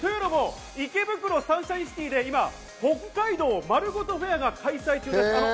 池袋サンシャインシティで今、北海道まるごとフェアが開催中です。